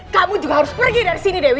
kamu juga harus pergi dari sini dewi